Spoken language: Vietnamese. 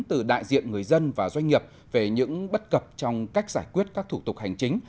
từ đại diện người dân và doanh nghiệp về những bất cập trong cách giải quyết các thủ tục hành chính